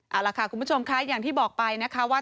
เอาล่ะค่ะคุณผู้ชมค่ะอย่างที่บอกไปนะคะว่า